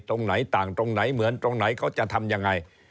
ตรงไหนต่างตรงไหนเหมือนตรงไหนเขาจะทำยังไง